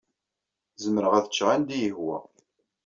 Zemreɣ ad ččeɣ anda i yi-ihwa.